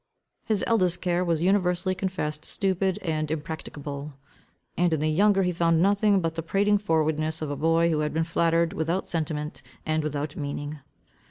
His eldest care was universally confessed stupid and impracticable. And in the younger he found nothing but the prating forwardness of a boy who had been flattered, without sentiment, and without meaning.